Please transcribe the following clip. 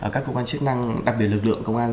các cơ quan chức năng đặc biệt lực lượng công an